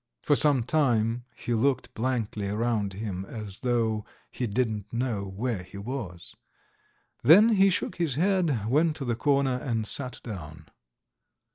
For some time he looked blankly round him as though he didn't know where he was, then he shook his head, went to the corner and sat down.